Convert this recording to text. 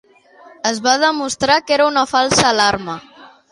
Es va demostrar que era una falsa alarma.